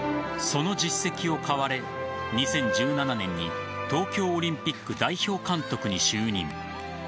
その実績を買われ２０１７年に東京オリンピック代表監督に就任。